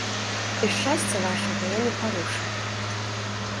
І шчасця вашага я не парушыў.